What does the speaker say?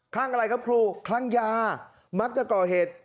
อะไรครับครูคลั่งยามักจะก่อเหตุ